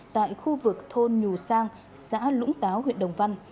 tại khu vực thôn nhù sang xã lũng táo huyện đồng văn